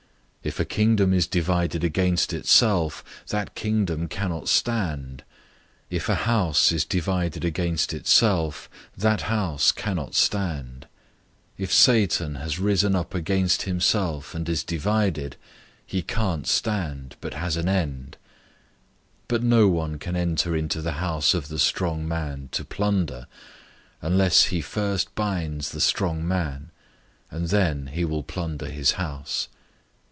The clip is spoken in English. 003:024 If a kingdom is divided against itself, that kingdom cannot stand. 003:025 If a house is divided against itself, that house cannot stand. 003:026 If Satan has risen up against himself, and is divided, he can't stand, but has an end. 003:027 But no one can enter into the house of the strong man to plunder, unless he first binds the strong man; and then he will plunder his house.